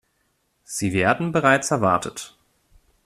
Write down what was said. Sie werden bereits erwartet.